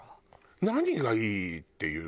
何がいいって言う？